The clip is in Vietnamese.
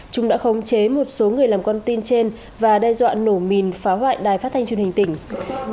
chúng đã khống chế một số người làm con tin trên và đe dọa nổ mìn phá hoại đài phát thanh truyền hình tỉnh